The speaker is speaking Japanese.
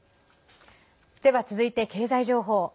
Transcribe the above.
では、続いて経済情報。